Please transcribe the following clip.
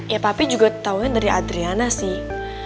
ya papi juga taunya dari adriana sih